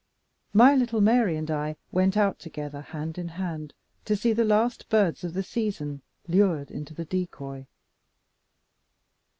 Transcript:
My little Mary and I went out together, hand in hand, to see the last birds of the season lured into the decoy.